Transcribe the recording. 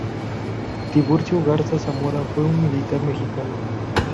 Tiburcio Garza Zamora fue un militar mexicano.